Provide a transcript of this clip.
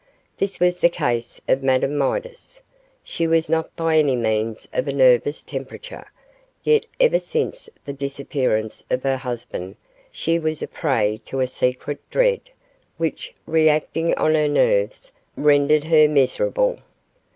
This was the case of Madame Midas. She was not by any means of a nervous temperature, yet ever since the disappearance of her husband she was a prey to a secret dread, which, reacting on her nerves, rendered her miserable.